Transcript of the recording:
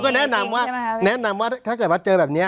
ก็แนะนำว่าแนะนำว่าถ้าเกิดว่าเจอแบบนี้